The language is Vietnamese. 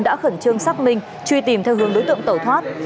đã khẩn trương xác minh truy tìm theo hướng đối tượng tẩu thoát